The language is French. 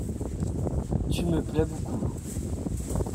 Tu me plais beaucoup !…